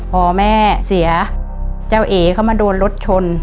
พอแม่เสียเจ้าเอ๋เขามาโดนรถชน